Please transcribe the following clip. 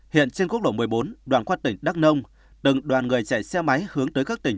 hiện trên quốc lộ một mươi bốn đoàn qua tỉnh đắk nông từng đoàn người chạy xe máy hướng tới các tỉnh